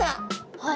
はい。